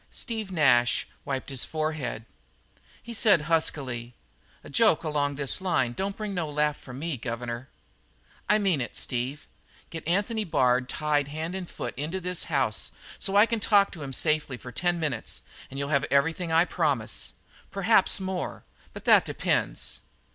Steve Nash wiped his forehead. He said huskily: "A joke along this line don't bring no laugh from me, governor." "I mean it, Steve. Get Anthony Bard tied hand and foot into this house so that I can talk to him safely for ten minutes, and you'll have everything I promise. Perhaps more. But that depends."